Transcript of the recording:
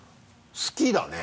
好きだね。